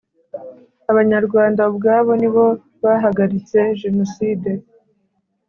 abanyarwanda ubwabo ni bo bahagaritse jenoside